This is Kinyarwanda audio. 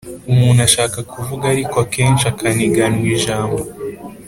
umuntu ashaka kuvuga ariko akenshi akaniganwa ijambo.